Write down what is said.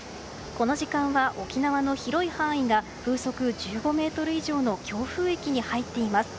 この時間は沖縄の広い範囲が風速１５メートル以上の強風域に入っています。